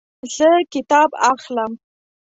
زه کتاب اخلم